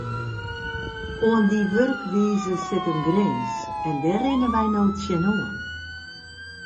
Oan dy wurkwize sit in grins en dêr rinne wy no tsjinoan.